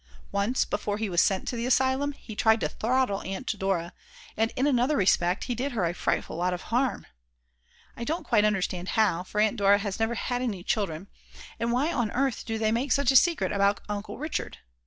Once before he was sent to the asylum he tried to throttle Aunt Dora, and in another respect he did her a frightful lot of harm!!! I don't quite understand how, for Aunt Dora has never had any children. And why on earth do they make such a secret about Uncle Richard?